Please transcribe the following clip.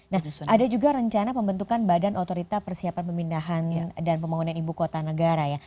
nah ada juga rencana pembentukan badan otorita persiapan pemindahan dan pembangunan ibu kota negara ya